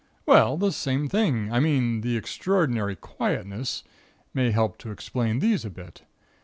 "Well, the same thing I mean the extraordinary quietness may help to explain these a bit.